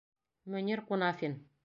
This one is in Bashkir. Мөнир Ҡунафин: